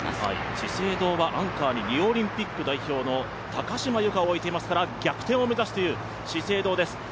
資生堂はアンカーにリオオリンピック代表の高島由香を置いていますから逆転を目指すという資生堂です。